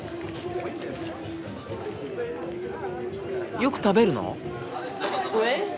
よく食べるの？